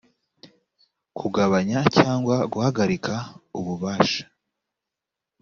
kugabanya cyangwa guhagarika ububasha